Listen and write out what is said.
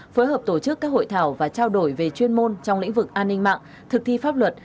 phối hợp tổ chức các hội thảo và trao đổi về chuyên môn trong lĩnh vực an ninh mạng thực thi pháp luật